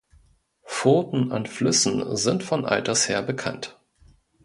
Furten in Flüssen sind von alters her bekannt.